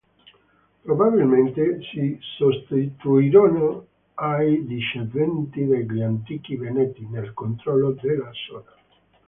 Probabilmente si sostituirono ai discendenti degli antichi Veneti nel controllo della zona.